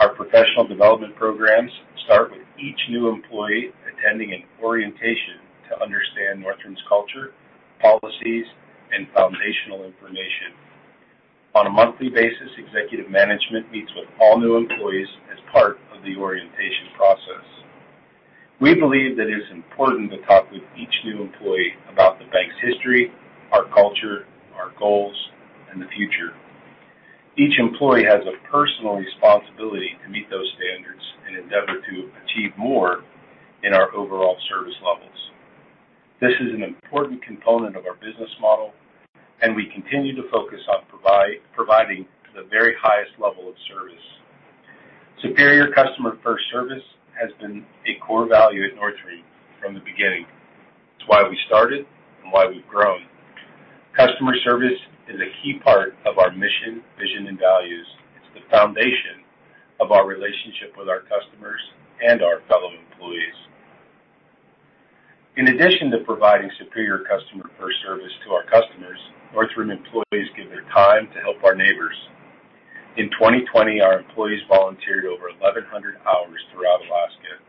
Our professional development programs start with each new employee attending an orientation to understand Northrim's culture, policies, and foundational information. On a monthly basis, executive management meets with all new employees as part of the orientation process. We believe that it is important to talk with each new employee about the bank's history, our culture, our goals, and the future. Each employee has a personal responsibility to meet those standards and endeavor to achieve more in our overall service levels. This is an important component of our business model, and we continue to focus on providing the very highest level of service. Superior customer first service has been a core value at Northrim from the beginning. It's why we started and why we've grown. Customer service is a key part of our mission, vision, and values. It's the foundation of our relationship with our customers and our fellow employees. In addition to providing superior customer first service to our customers, Northrim employees give their time to help our neighbors. In 2020, our employees volunteered over 1,100 hours throughout Alaska.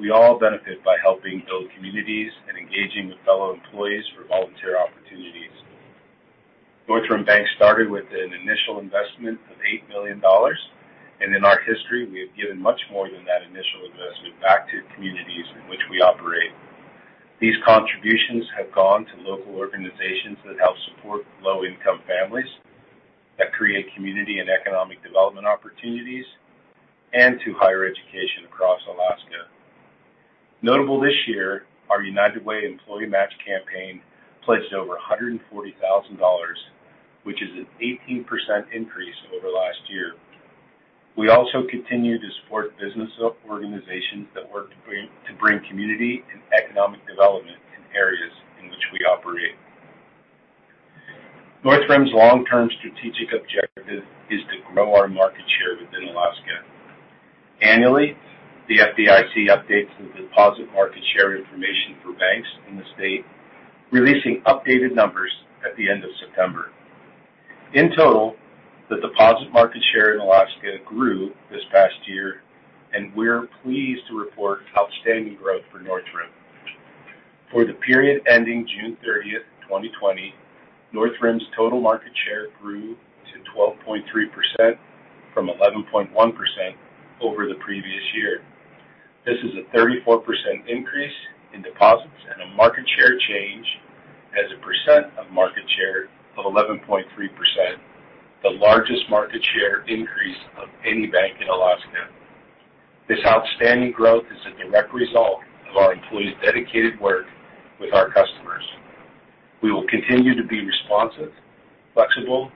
We all benefit by helping build communities and engaging with fellow employees for volunteer opportunities. Northrim Bank started with an initial investment of $8 million, and in our history, we have given much more than that initial investment back to communities in which we operate. These contributions have gone to local organizations that help support low income families, that create community and economic development opportunities, and to higher education across Alaska. Notable this year, our United Way employee match campaign pledged over $140,000, which is an 18% increase over last year. We also continue to support business organizations that work to bring community and economic development in areas in which we operate. Northrim's long-term strategic objective is to grow our market share within Alaska. Annually, the FDIC updates the deposit market share information for banks in the state, releasing updated numbers at the end of September. In total, the deposit market share in Alaska grew this past year, and we're pleased to report outstanding growth for Northrim. For the period ending June 30th, 2020, Northrim's total market share grew to 12.3% from 11.1% over the previous year. This is a 34% increase in deposits and a market share change as a percent of market share of 11.3%, the largest market share increase of any bank in Alaska. This outstanding growth is a direct result of our employees' dedicated work with our customers. We will continue to be responsive, flexible,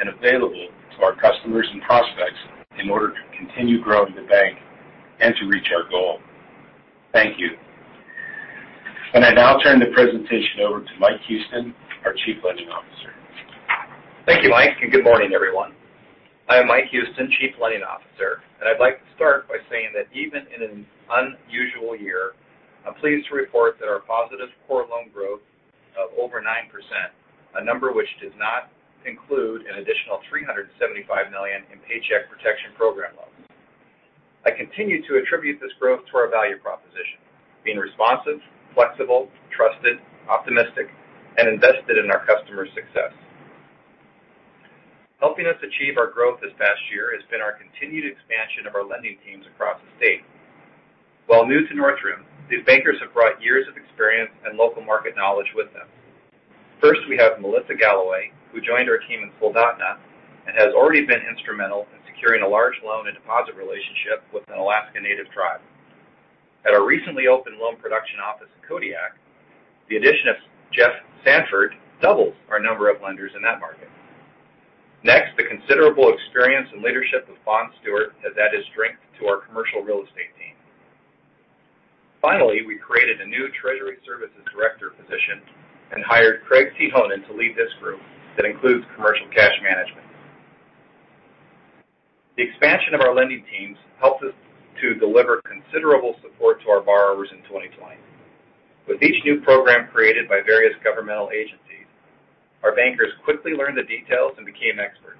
and available to our customers and prospects in order to continue growing the bank and to reach our goal. Thank you. I now turn the presentation over to Mike Huston, our Chief Lending Officer. Thank you, Mike, and good morning, everyone. I'm Mike Huston, Chief Lending Officer. I'd like to start by saying that even in an unusual year, I'm pleased to report that our positive core loan growth of over 9%, a number which does not include an additional $375 million in Paycheck Protection Program loans. Continue to attribute this growth to our value proposition, being responsive, flexible, trusted, optimistic, and invested in our customers' success. Helping us achieve our growth this past year has been our continued expansion of our lending teams across the state. While new to Northrim, these bankers have brought years of experience and local market knowledge with them. First, we have Melissa Galloway, who joined our team in Soldotna and has already been instrumental in securing a large loan and deposit relationship with an Alaska Native tribe. At our recently opened loan production office in Kodiak, the addition of Jeff Sanford doubles our number of lenders in that market. The considerable experience and leadership of Fawn Stewart has added strength to our commercial real estate team. We created a new treasury services director position and hired Craig Tiihonen to lead this group that includes commercial cash management. The expansion of our lending teams helped us to deliver considerable support to our borrowers in 2020. With each new program created by various governmental agencies, our bankers quickly learned the details and became experts,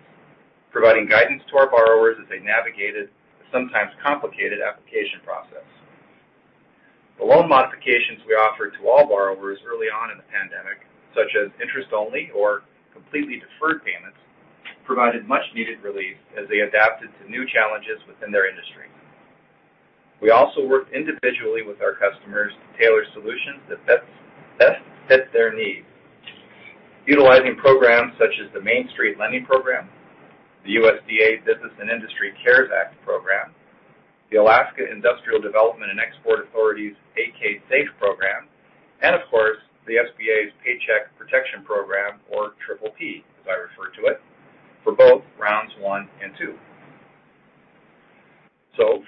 providing guidance to our borrowers as they navigated the sometimes complicated application process. The loan modifications we offered to all borrowers early on in the pandemic, such as interest only or completely deferred payments, provided much needed relief as they adapted to new challenges within their industry. We also worked individually with our customers to tailor solutions that best fit their needs. Utilizing programs such as the Main Street Lending Program, the USDA Business and Industry CARES Act Program, the Alaska Industrial Development and Export Authority's AK SAFE Program, and of course, the SBA's Paycheck Protection Program, or PPP, as I refer to it, for both rounds one and two.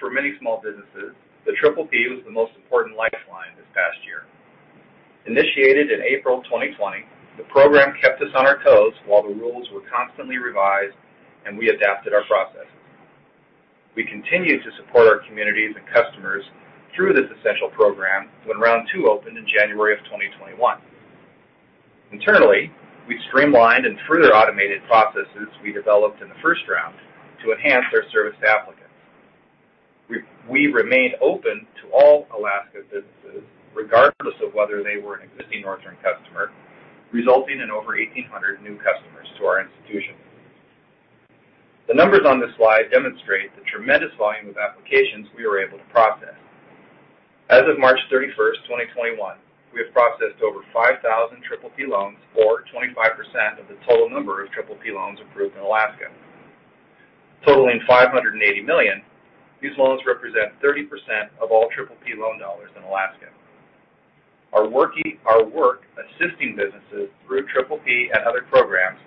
For many small businesses, the PPP was the most important lifeline this past year. Initiated in April 2020, the program kept us on our toes while the rules were constantly revised and we adapted our processes. We continued to support our communities and customers through this essential program when round two opened in January of 2021. Internally, we streamlined and further automated processes we developed in the first round to enhance our service to applicants. We remained open to all Alaska businesses, regardless of whether they were an existing Northrim customer, resulting in over 1,800 new customers to our institution. The numbers on this slide demonstrate the tremendous volume of applications we were able to process. As of March 31st, 2021, we have processed over 5,000 PPP loans or 25% of the total number of PPP loans approved in Alaska. Totaling $580 million, these loans represent 30% of all PPP loan dollars in Alaska. Our work assisting businesses through PPP and other programs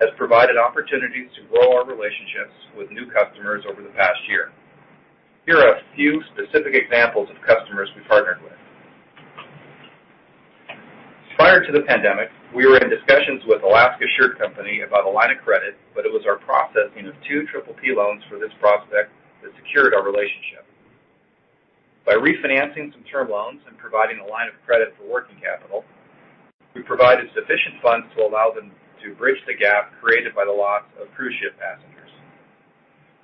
has provided opportunities to grow our relationships with new customers over the past year. Here are a few specific examples of customers we partnered with. Prior to the pandemic, we were in discussions with Alaska Shirt Company about a line of credit. It was our processing of two PPP loans for this prospect that secured our relationship. By refinancing some term loans and providing a line of credit for working capital, we provided sufficient funds to allow them to bridge the gap created by the loss of cruise ship passengers.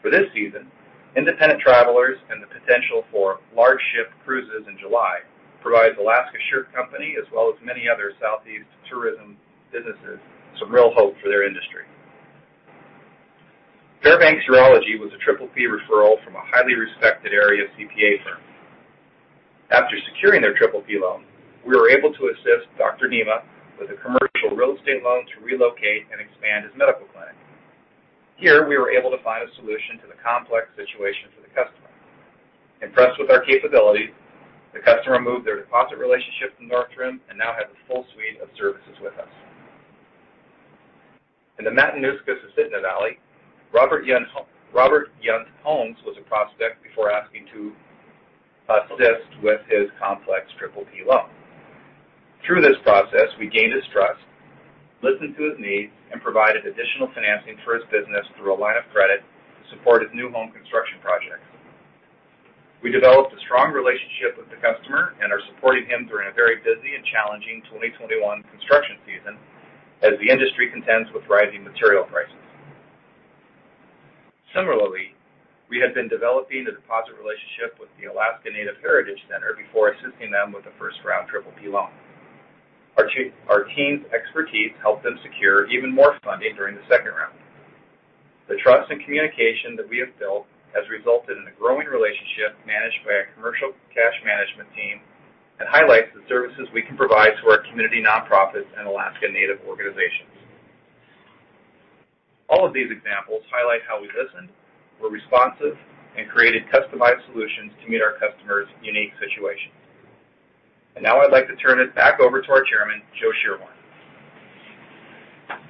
For this season, independent travelers and the potential for large ship cruises in July provides Alaska Shirt Company, as well as many other Southeast tourism businesses, some real hope for their industry. Fairbanks Urology was a PPP referral from a highly respected area CPA firm. After securing their PPP loan, we were able to assist Dr. Nema with a commercial real estate loan to relocate and expand his medical clinic. Here, we were able to find a solution to the complex situation for the customer. Impressed with our capabilities, the customer moved their deposit relationship to Northrim and now has a full suite of services with us. In the Matanuska-Susitna Valley, Robert Yundt Homes was a prospect before asking to assist with his complex PPP loan. Through this process, we gained his trust, listened to his needs, and provided additional financing for his business through a line of credit to support his new home construction projects. We developed a strong relationship with the customer and are supporting him during a very busy and challenging 2021 construction season as the industry contends with rising material prices. Similarly, we had been developing a deposit relationship with the Alaska Native Heritage Center before assisting them with a first round PPP loan. Our team's expertise helped them secure even more funding during the second round. The trust and communication that we have built has resulted in a growing relationship managed by a commercial cash management team and highlights the services we can provide to our community nonprofits and Alaska Native organizations. All of these examples highlight how we listened, were responsive, and created customized solutions to meet our customers' unique situations. Now I'd like to turn it back over to our Chairman, Joe Schierhorn.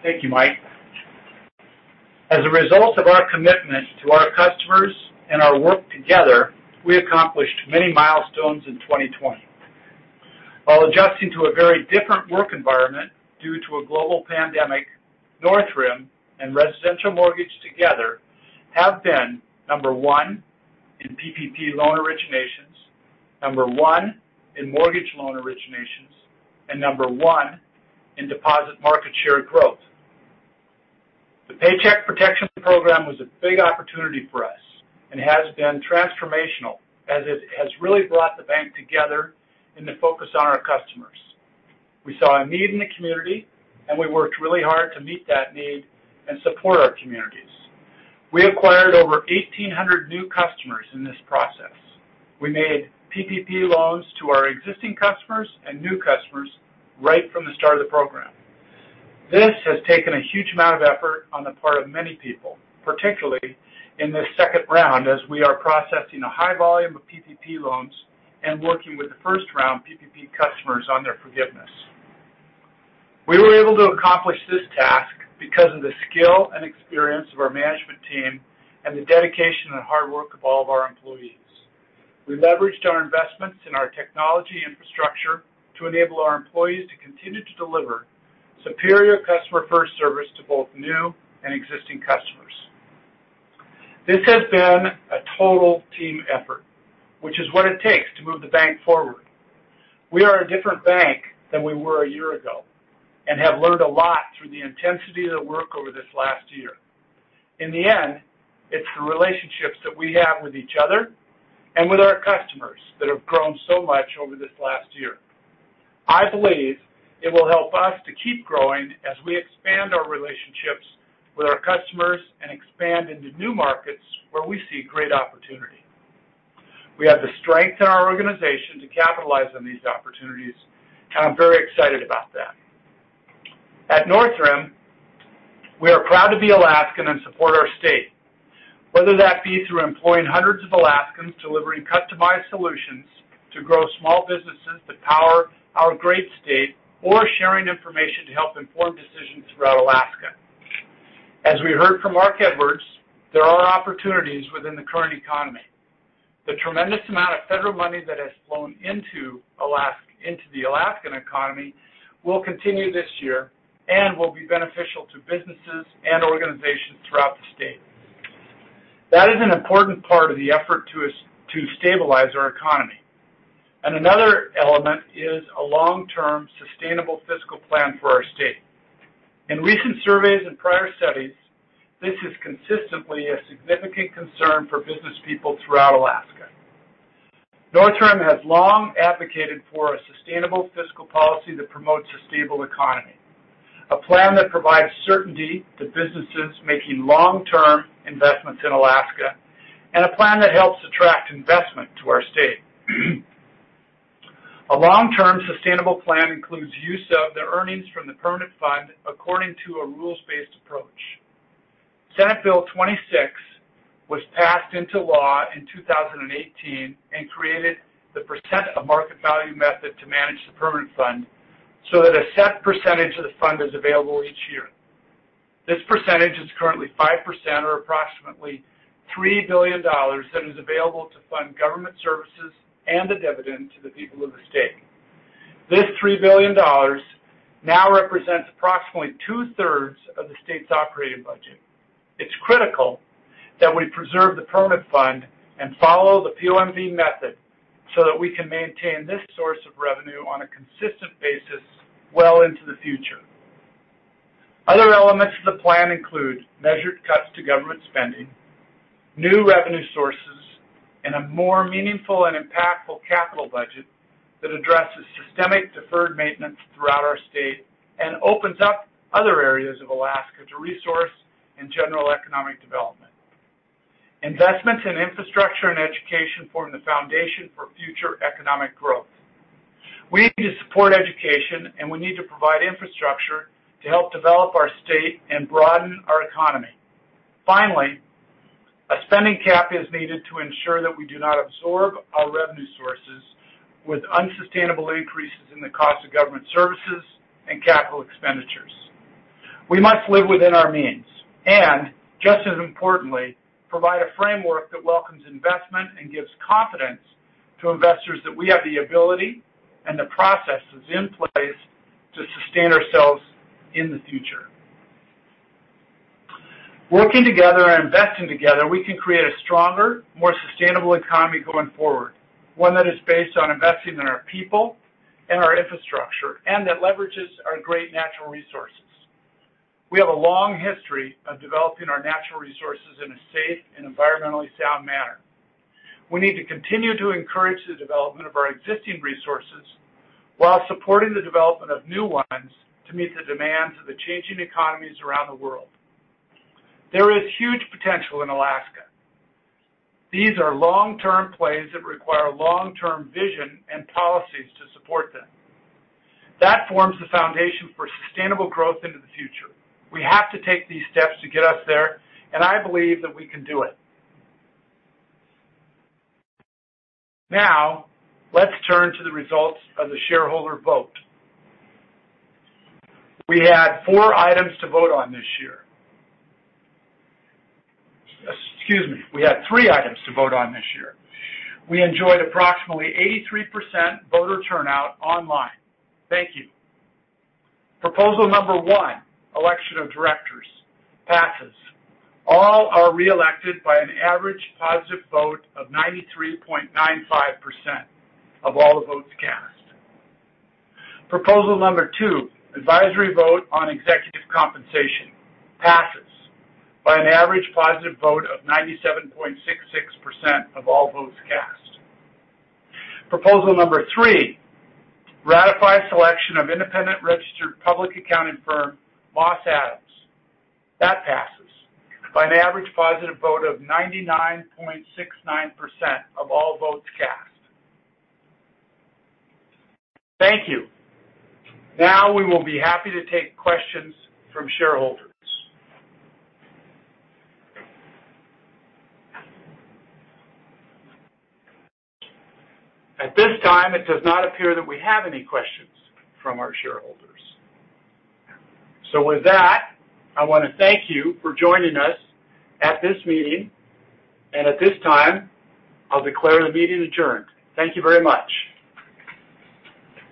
Thank you, Mike. As a result of our commitment to our customers and our work together, we accomplished many milestones in 2020. While adjusting to a very different work environment due to a global pandemic, Northrim and Residential Mortgage together have been number one in PPP loan originations, number 1 in mortgage loan originations, and number 1 in deposit market share growth. The Paycheck Protection Program was a big opportunity for us and has been transformational as it has really brought the bank together in the focus on our customers. We saw a need in the community, we worked really hard to meet that need and support our communities. We acquired over 1,800 new customers in this process. We made PPP loans to our existing customers and new customers right from the start of the program. This has taken a huge amount of effort on the part of many people, particularly in this second round as we are processing a high volume of PPP loans and working with first-round PPP customers on their forgiveness. We were able to accomplish this task because of the skill and experience of our management team and the dedication and hard work of all of our employees. We leveraged our investments in our technology infrastructure to enable our employees to continue to deliver superior customer-first service to both new and existing customers. This has been a total team effort, which is what it takes to move the bank forward. We are a different bank than we were a year ago and have learned a lot through the intensity of the work over this last year. In the end, it's the relationships that we have with each other and with our customers that have grown so much over this last year. I believe it will help us to keep growing as we expand our relationships with our customers and expand into new markets where we see great opportunity. We have the strength in our organization to capitalize on these opportunities, and I'm very excited about that. At Northrim, we are proud to be Alaskan and support our state, whether that be through employing hundreds of Alaskans delivering customized solutions to grow small businesses that power our great state or sharing information to help inform decisions throughout Alaska. As we heard from Mark Edwards, there are opportunities within the current economy. The tremendous amount of federal money that has flown into the Alaska economy will continue this year and will be beneficial to businesses and organizations throughout the state. That is an important part of the effort to stabilize our economy, and another element is a long-term sustainable fiscal plan for our state. In recent surveys and prior studies, this is consistently a significant concern for business people throughout Alaska. Northrim has long advocated for a sustainable fiscal policy that promotes a stable economy, a plan that provides certainty to businesses making long-term investments in Alaska, and a plan that helps attract investment to our state. A long-term sustainable plan includes use of the earnings from the Permanent Fund according to a rules-based approach. Senate Bill 26 was passed into law in 2018 and created the percent of market value method to manage the Permanent Fund so that a set percentage of the fund is available each year. This percentage is currently 5%, or approximately $3 billion that is available to fund government services and a dividend to the people of the State. This $3 billion now represents approximately 2/3 of the State's operating budget. It's critical that we preserve the Permanent Fund and follow the POMV method so that we can maintain this source of revenue on a consistent basis well into the future. Other elements of the plan include measured cuts to government spending, new revenue sources, and a more meaningful and impactful capital budget that addresses systemic deferred maintenance throughout our State and opens up other areas of Alaska to resource and general economic development. Investments in infrastructure and education form the foundation for future economic growth. We need to support education, and we need to provide infrastructure to help develop our state and broaden our economy. Finally, a spending cap is needed to ensure that we do not absorb our revenue sources with unsustainable increases in the cost of government services and capital expenditures. We must live within our means and just as importantly, provide a framework that welcomes investment and gives confidence to investors that we have the ability and the processes in place to sustain ourselves in the future. Working together and investing together, we can create a stronger, more sustainable economy going forward, one that is based on investing in our people and our infrastructure and that leverages our great natural resources. We have a long history of developing our natural resources in a safe and environmentally sound manner. We need to continue to encourage the development of our existing resources while supporting the development of new ones to meet the demands of the changing economies around the world. There is huge potential in Alaska. These are long-term plays that require long-term vision and policies to support them. That forms the foundation for sustainable growth into the future. We have to take these steps to get us there, and I believe that we can do it. Let's turn to the results of the shareholder vote. We had four items to vote on this year. Excuse me, we had three items to vote on this year. We enjoyed approximately 83% voter turnout online. Thank you. Proposal number one, election of directors. Passes. All are reelected by an average positive vote of 93.95% of all votes cast. Proposal number two, advisory vote on executive compensation. Passes by an average positive vote of 97.66% of all votes cast. Proposal number three, ratify selection of independent registered public accounting firm Moss Adams. That passes by an average positive vote of 99.69% of all votes cast. Thank you. Now we will be happy to take questions from shareholders. At this time, it does not appear that we have any questions from our shareholders. With that, I want to thank you for joining us at this meeting, and at this time, I'll declare the meeting adjourned. Thank you very much.